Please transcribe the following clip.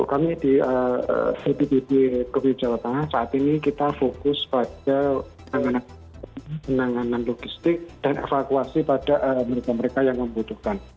kami di bpbd covid jawa tengah saat ini kita fokus pada penanganan logistik dan evakuasi pada mereka mereka yang membutuhkan